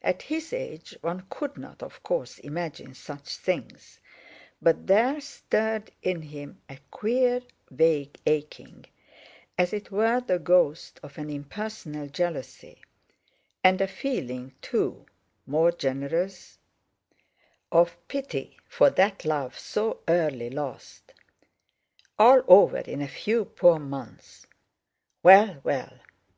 At his age one could not, of course, imagine such things, but there stirred in him a queer vague aching—as it were the ghost of an impersonal jealousy; and a feeling, too, more generous, of pity for that love so early lost. All over in a few poor months! Well, well!